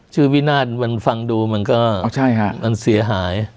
ชื่อวินาศมันฟังดูมันก็เสียหาย